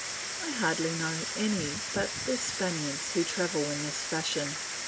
I hardly know any but the Spaniards who travel in this fashion.